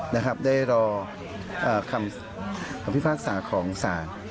ได้รอความพิพาศสาของสาห์